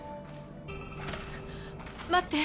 「待って」